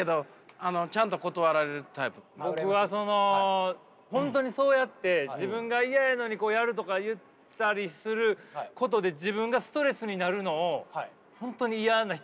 ないことないけど僕はその本当にそうやって自分が嫌やのにやるとか言ったりすることで自分がストレスになるのを本当に嫌な人なんで。